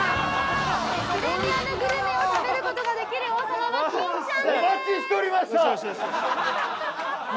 プレミアムグルメを食べることができる王様は金ちゃんです。